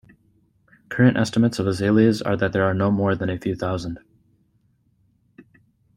Current estimates of Azalis are that there are no more than a few thousand.